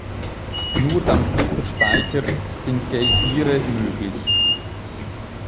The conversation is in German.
Nur dank dieser Speicher sind Geysire möglich.